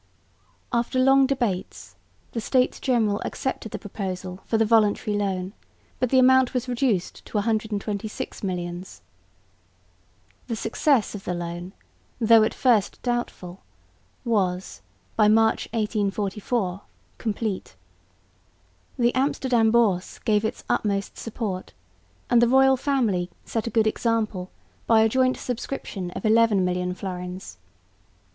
After long debates the States General accepted the proposal for the voluntary loan, but the amount was reduced to 126 millions. The success of the loan, though at first doubtful, was by March, 1844, complete. The Amsterdam Bourse gave its utmost support; and the royal family set a good example by a joint subscription of 11 million florins.